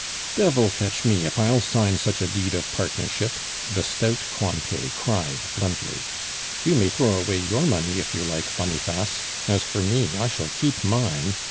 "Devil fetch me, if I'll sign such a deed of partnership!" the stout Cointet cried bluntly. "You may throw away your money if you like, Boniface; as for me, I shall keep mine.